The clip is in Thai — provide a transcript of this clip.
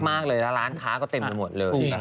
มากและร้านค้าก็เต็มทั้งหมดเลย